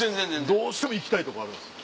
どうしても行きたいとこあるんですよ。